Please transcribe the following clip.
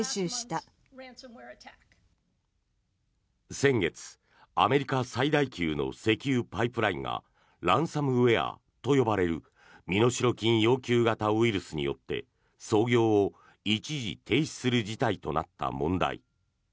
先月、アメリカ最大級の石油パイプラインがランサムウェアと呼ばれる身代金要求型ウイルスによって操業を一時停止する事態となった問題。